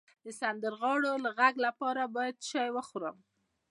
د سندرغاړو د غږ لپاره باید څه شی وخورم؟